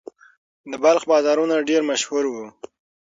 د بلخ بازارونه ډیر مشهور وو